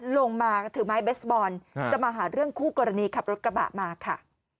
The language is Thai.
ลงมาถือไม้เบสบอลจะมาหาเรื่องคู่กรณีขับรถกระบะมาค่ะ